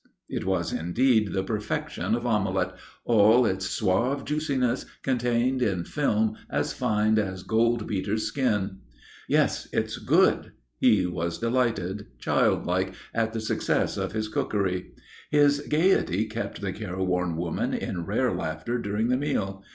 It was indeed the perfection of omelette, all its suave juiciness contained in film as fine as goldbeater's skin. "Yes, it's good." He was delighted, childlike, at the success of his cookery. His gaiety kept the careworn woman in rare laughter during the meal.